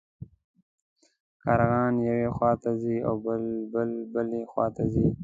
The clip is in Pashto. کارغه یوې خوا ته ځي او بلبل بلې خوا ته ځي.